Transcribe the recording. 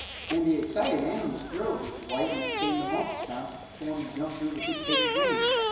And the excited animals thrilled with delight when it came the monkey's time to perform and jump through the big paper rings.